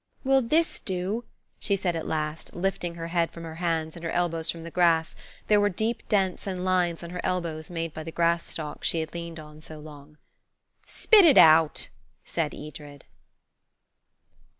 "Will this do?" she said at last, lifting her head from her hands and her elbows from the grass; there were deep dents and lines on her elbows made by the grass stalks she had leaned on so long. "Spit it out," said Edred.